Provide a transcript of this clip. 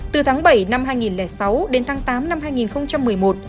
từ tháng bảy năm hai nghìn sáu đến tháng tám năm hai nghìn một mươi một